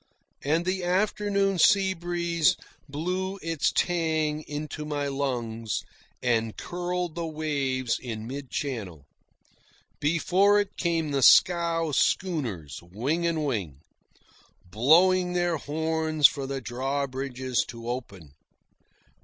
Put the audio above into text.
And the afternoon seabreeze blew its tang into my lungs, and curled the waves in mid channel. Before it came the scow schooners, wing and wing, blowing their horns for the drawbridges to open.